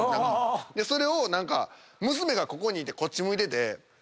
それを何か娘がここにいてこっち向いてて。